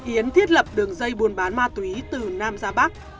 yến thiết lập đường dây buôn bán ma túy từ nam ra bắc